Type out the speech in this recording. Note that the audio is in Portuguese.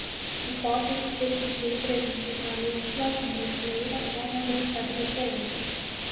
hipóteses de sigilo previstas na legislação brasileira ou na do Estado requerente;